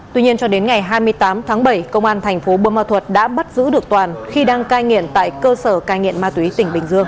tuy nhiên cho đến ngày hai mươi tám tháng bảy công an thành phố bô ma thuật đã bắt giữ được toàn khi đang cai nghiện tại cơ sở cai nghiện ma túy tỉnh bình dương